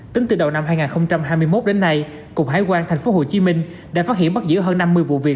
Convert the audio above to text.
tính từ đầu năm hai nghìn hai mươi một đến nay cục hải quan tp hcm đã phát hiện bắt giữ hơn năm mươi vụ việc